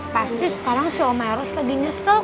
pasti sekarang si omeros lagi nyesel